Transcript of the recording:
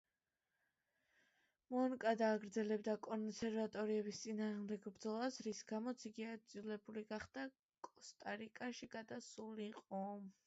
მონკადა აგრძელებდა კონსერვატორების წინააღმდეგ ბრძოლას, რის გამოც იგი იძულებული გახდა კოსტა-რიკაში გადასულიყო.